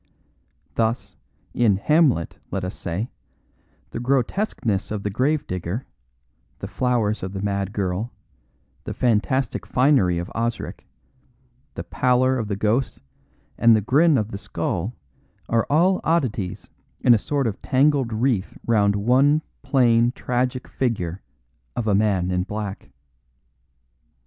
Thus, in Hamlet, let us say, the grotesqueness of the grave digger, the flowers of the mad girl, the fantastic finery of Osric, the pallor of the ghost and the grin of the skull are all oddities in a sort of tangled wreath round one plain tragic figure of a man in black.